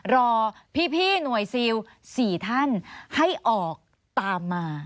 รอพี่หน่วยซิล๔ท่านให้ออกตามมา